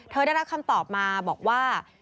ได้รับคำตอบมาบอกว่า